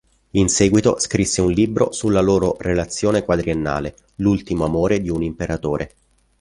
In seguito scrisse un libro sulla loro relazione quadriennale, "L'ultimo amore di un imperatore".